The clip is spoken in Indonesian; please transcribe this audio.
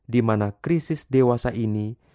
dimana krisis dewasa ini